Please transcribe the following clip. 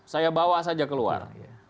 saya bawa saja keluar